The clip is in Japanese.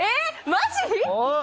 マジ？